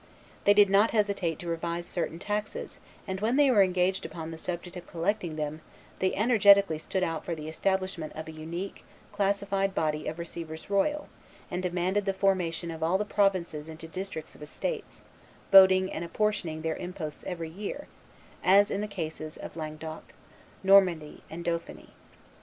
They did not hesitate to revise certain taxes, and when they were engaged upon the subject of collecting of them, they energetically stood out for the establishment of a unique, classified body of receivers royal, and demanded the formation of all the provinces into districts of estates, voting and apportioning their imposts every year, as in the cases of Languedoc, Normandy, and Dauphiny.